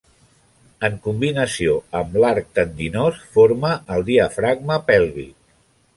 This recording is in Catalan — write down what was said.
En combinació amb l'arc tendinós, forma el diafragma pèlvic.